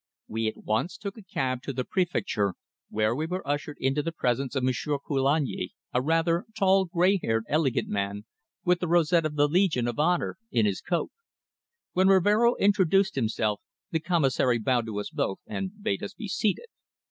We at once took a cab to the Prefecture where we were ushered into the presence of Monsieur Coulagne, a rather tall, grey haired elegant man, with the rosette of the Legion of Honour in his coat. When Rivero introduced himself the Commissary bowed to us both and bade us be seated.